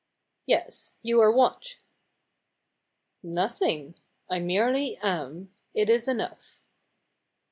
"Yes. You are what?" "Nothing. I merely am. It is enough."